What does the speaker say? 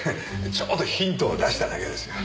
ちょっとヒントを出しただけですよ。